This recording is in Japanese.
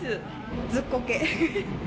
ずっこけ。